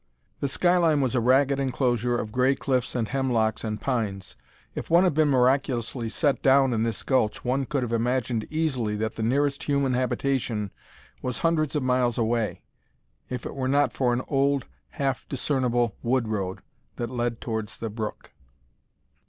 The sky line was a ragged enclosure of gray cliffs and hemlocks and pines. If one had been miraculously set down in this gulch one could have imagined easily that the nearest human habitation was hundreds of miles away, if it were not for an old half discernible wood road that led towards the brook.